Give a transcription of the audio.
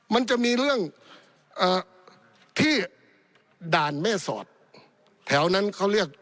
มันจะมีเรื่องที่ด่านแม่สอดแถวนั้นเขาเรียก